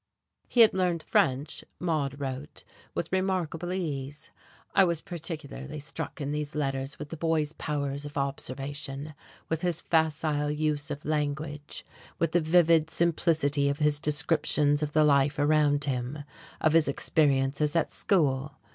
He had learned French Maude wrote with remarkable ease. I was particularly struck in these letters with the boy's power of observation, with his facile use of language, with the vivid simplicity of his descriptions of the life around him, of his experiences at school.